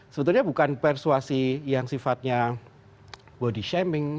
sebetulnya bukan persuasi yang sifatnya body shaming